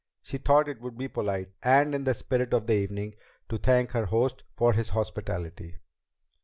She thought it would be polite, and in the spirit of the evening, to thank her host for his hospitality.